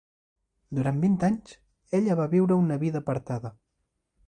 Durant vint anys ella va viure una vida apartada.